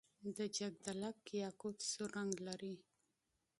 د جګدلک یاقوت سور رنګ لري.